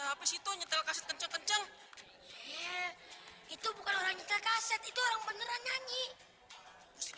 untuk siapa situ nyetel kaset kenceng kenceng itu bukan orangnya kaset itu orang beneran nyanyi